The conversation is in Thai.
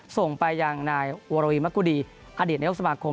ส่งไปยังนายวรวีมะกุดีอดีตนายกสมาคม